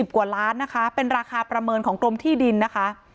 กว่าล้านนะคะเป็นราคาประเมินของกรมที่ดินนะคะ